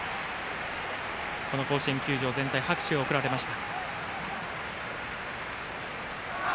甲子園球場全体から拍手が送られました。